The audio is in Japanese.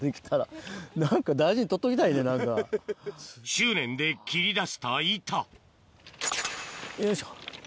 執念で切り出した板よいしょ。